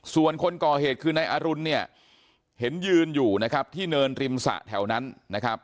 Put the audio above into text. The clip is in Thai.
ส่วนคนก่อเหตุคือนายอรุณเนี่ยเห็นยืนอยู่นะครับที่เนินริมสระแถวนั้นนะครับ